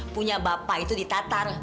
punya bapak itu di tatar